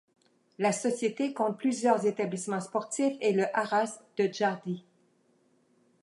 La société compte plusieurs établissements sportifs et le Haras de Jardy.